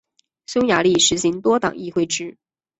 匈牙利实行多党议会制。